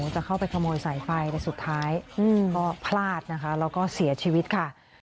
จะเข้าไปขโมยสายไฟแต่สุดท้ายก็พลาดนะคะแล้วก็เสียชีวิตค่ะ